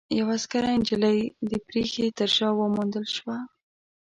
يوه عسکره نجلۍ د پرښې تر شا وموندل شوه.